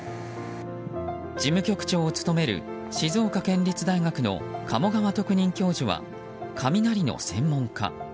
事務局長を務める静岡県立大学の鴨川特任教授は雷の専門家。